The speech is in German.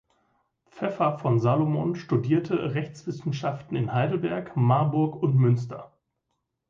Pfeffer von Salomon studierte Rechtswissenschaften in Heidelberg, Marburg und Münster.